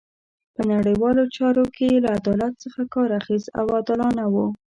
په نړیوالو چارو کې یې له عدالت څخه کار اخیست او عادلانه وو.